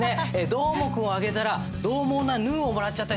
どーもくんをあげたらどう猛なヌーをもらっちゃったりしてね。